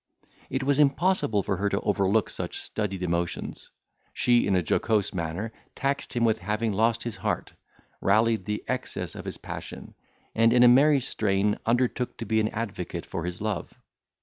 It was impossible for her to overlook such studied emotions; she in a jocose manner taxed him with having lost his heart, rallied the excess of his passion, and in a merry strain undertook to be an advocate for his love.